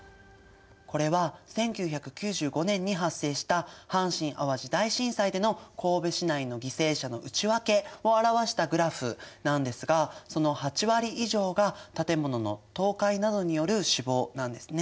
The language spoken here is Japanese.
これは１９９５年に発生した阪神・淡路大震災での神戸市内の犠牲者の内訳を表したグラフなんですがその８割以上が建物の倒壊などによる死亡なんですね。